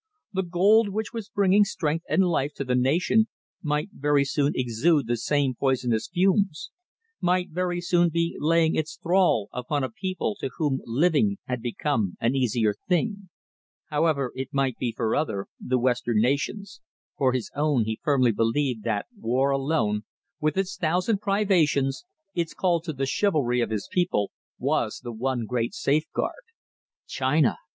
The gold which was bringing strength and life to the nation might very soon exude the same poisonous fumes, might very soon be laying its thrall upon a people to whom living had become an easier thing. However it might be for other, the Western nations, for his own he firmly believed that war alone, with its thousand privations, its call to the chivalry of his people, was the one great safeguard. China!